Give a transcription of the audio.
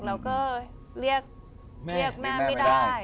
เราก็เรียกแม่ไม่ได้